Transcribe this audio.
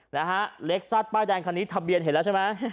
นะฮะเล็กซัดป้ายแดงคันนี้ทะเบียนเห็นแล้วใช่ไหม